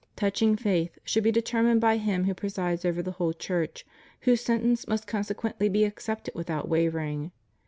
touching faith should be determined by him who presides over the whole Church, whose sentence must consequently be accepted without wavering.